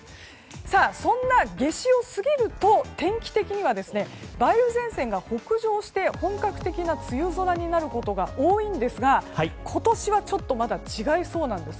そんな夏至を過ぎると天気的には梅雨前線が北上して本格的な梅雨空になることが多いんですが今年はちょっとまだ違いそうなんです。